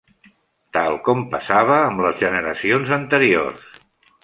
Tal com passava amb les generacions anteriors.